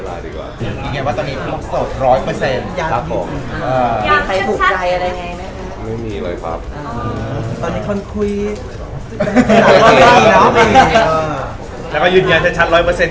แล้วยืดยังชัด๑๐๐เปอร์เซ็นต์